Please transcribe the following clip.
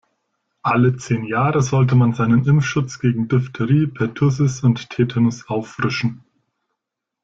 Alle zehn Jahre sollte man seinen Impfschutz gegen Diphterie, Pertussis und Tetanus auffrischen.